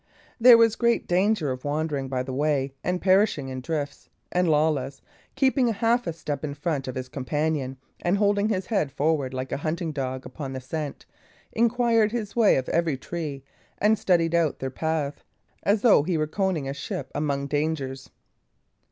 There was great danger of wandering by the way and perishing in drifts; and Lawless, keeping half a step in front of his companion, and holding his head forward like a hunting dog upon the scent, inquired his way of every tree, and studied out their path as though he were conning a ship among dangers.